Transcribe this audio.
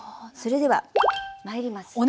それではまいります。